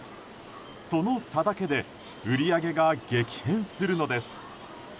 その差だけで売り上げが激変するのです。